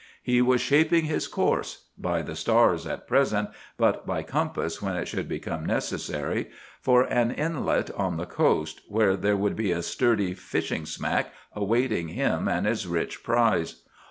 He was shaping his course—by the stars at present, but by compass when it should become necessary—for an inlet on the coast, where there would be a sturdy fishing smack awaiting him and his rich prize.